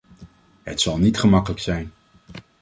Het zal niet gemakkelijk zijn.